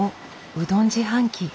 うどん自販機。